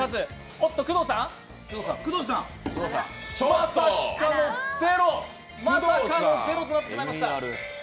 おっと工藤さん？まさかのゼロとなってしまいました。